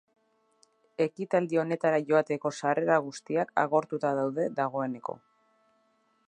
Ekitaldi honetara joateko sarrera guztiak agortuta daude dagoeneko.